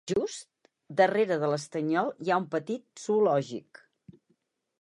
Just darrere de l'estanyol hi ha un petit zoològic.